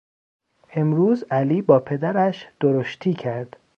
امروز علی با پدرش درشتی کرد.